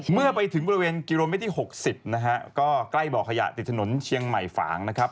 เมื่อไปถึงบริเวณกิโลเมตรที่๖๐นะฮะก็ใกล้บ่อขยะติดถนนเชียงใหม่ฝางนะครับ